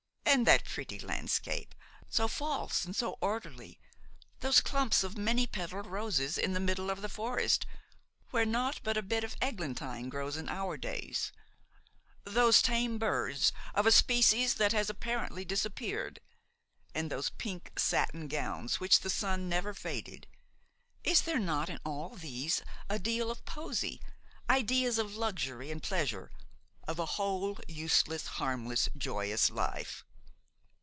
And that pretty landscape, so false and so orderly, those clumps of many petalled roses in the middle of the forest where naught but a bit of eglantine grows in our days, those tame birds of a species that has apparently disappeared, and those pink satin gowns which the sun never faded–is there not in all these a deal of poesy, ideas of luxury and pleasure, of a whole useless, harmless, joyous life?